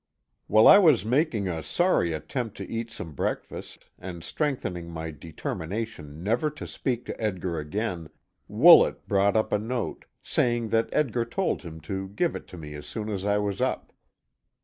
While I was making a sorry attempt to eat some breakfast, and strengthening my determination never to speak to Edgar again, Woolet brought up a note, saying that Edgar told him to give it to me as soon as I was up.